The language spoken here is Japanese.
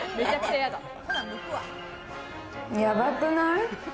やばくない？